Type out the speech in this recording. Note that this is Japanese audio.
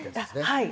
はい。